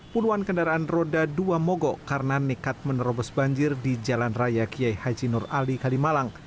puluhan kendaraan roda dua mogok karena nekat menerobos banjir di jalan raya kiai haji nur ali kalimalang